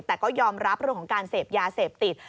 แต่ก็ยอมรับเรื่องของการเสพยาเสพติด